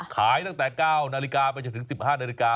ขายตั้งแต่๙นาฬิกาไปจนถึง๑๕นาฬิกา